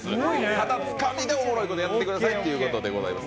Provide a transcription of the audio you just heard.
ただ、つかみで面白いことをやってくださいということです。